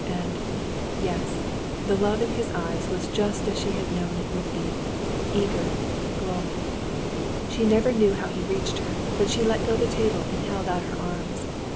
And yes the love in his eyes was just as she had known it would be eager, glowing. She never knew how he reached her; but she let go the table and held out her arms.